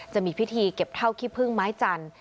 จะมีพิธีเก็บเท่าขี้พึ่งไม้จันทร์